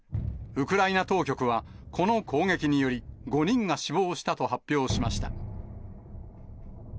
ウクライナ当局は、この攻撃により、５人が死亡したと発表しました。